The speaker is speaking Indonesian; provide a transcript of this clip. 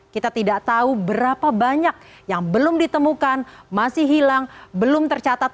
kita tidak tahu berapa banyak yang belum ditemukan masih hilang belum tercatat